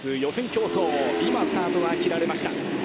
競走、今、スタートが切られました。